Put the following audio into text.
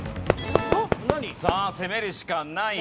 さあ攻めるしかない。